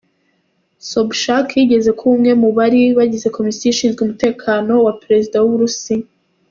Sobchak yigeze kuba umwe mu bari bagize komisiyo ishinzwe umutekano wa Perezida w’ Uburusiya.